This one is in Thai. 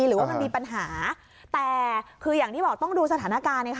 หรือว่ามันมีปัญหาแต่คืออย่างที่บอกต้องดูสถานการณ์